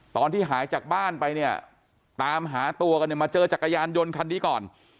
ตอนที่หายจากบ้านไปเนี่ยตามหาตัวกันเนี่ยมาเจอจักรยานยนต์คันนี้ก่อน